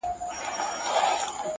o د ښو څه ښه زېږي، د بدو څه واښه٫